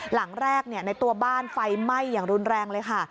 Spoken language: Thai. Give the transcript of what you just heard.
หลังแรกในตัวบ้านไฟไหม้อย่างรุนแรงเลยค่ะ